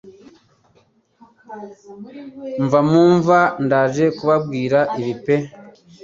Mva mu mva ndaje kubabwira ibi pe